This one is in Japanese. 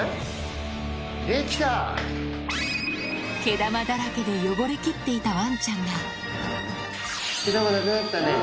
毛玉だらけで汚れきっていたワンちゃんが毛玉なくなったね。